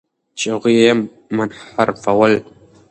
چې هغوی یې منحرفول.